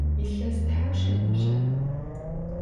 Yilhes thapşş ınıbja?